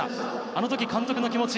あの時、監督の気持ち